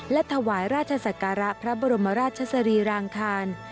และถวายราชศักระพระบรมราชสรีรางคาร